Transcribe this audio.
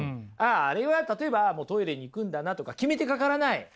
ああれは例えばトイレに行くんだなとか決めてかからない！